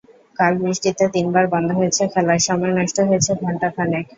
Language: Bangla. কাল বৃষ্টিতে তিনবার বন্ধ হয়েছে খেলা, সময় নষ্ট হয়েছে ঘণ্টা খানেক।